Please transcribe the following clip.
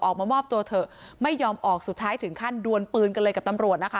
ออกมามอบตัวเถอะไม่ยอมออกสุดท้ายถึงขั้นดวนปืนกันเลยกับตำรวจนะคะ